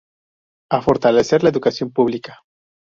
A fortalecer la Educación Publica.